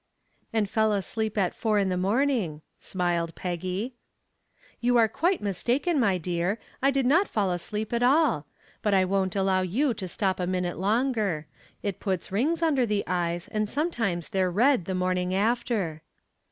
"And fell asleep at four in the morning," smiled Peggy. "You are quite mistaken, my dear. I did not fall asleep at all. But I won't allow you to stop a minute longer. It puts rings under the eyes and sometimes they're red the morning after."